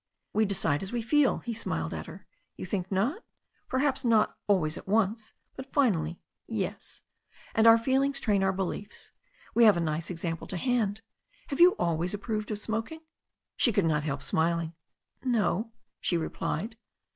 "We decide as we feel." He smiled at her. "You think not? Perhaps not always at once, but finally, yes. And our feelings train our beliefs. We have a nice example to hand. Have you always approved of smoking?" She could not help smiling. "No," she replied.